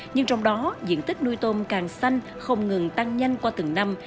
nhưng trong đó diện tích nuôi tôm càng xanh không ngừng tăng nhanh qua từng năm